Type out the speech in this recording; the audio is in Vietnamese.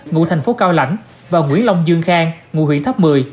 ngụ thành phố cao lãnh và nguyễn long dương khang ngụ huyện tháp một mươi